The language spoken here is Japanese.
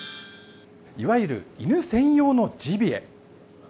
いわゆる犬専用のジビエ。